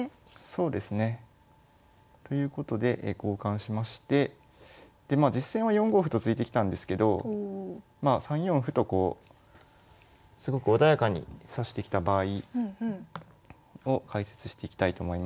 そうですね。ということで交換しましてでまあ実戦は４五歩と突いてきたんですけど３四歩とこうすごく穏やかに指してきた場合を解説していきたいと思います。